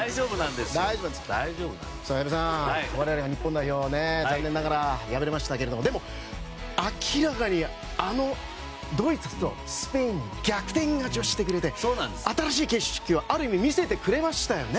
矢部さん、我らが日本代表は残念ながら負けましたが明らかにあのドイツとスペインに逆転勝ちをしてくれて新しい景色はある意味見せてくれましたよね。